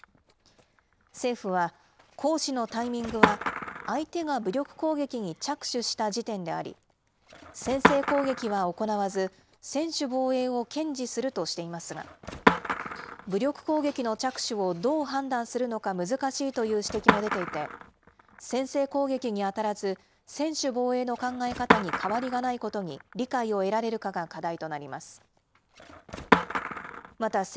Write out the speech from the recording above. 政府は、行使のタイミングは、相手が武力攻撃に着手した時点であり、先制攻撃は行わず、専守防衛を堅持するとしていますが、武力攻撃の着手をどう判断するのか難しいという指摘も出ていて、先制攻撃にあたらず、専守防衛の考え方に変わりがないことに理解を得られるかが課題となります。